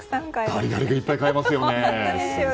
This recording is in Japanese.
ガリガリ君いっぱい買えますよね。